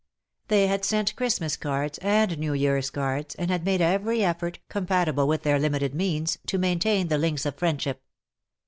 They had sent Christmas cards and New Yearns cards, and had made every effort, compatible with their limited means, to maintain the links of friendship.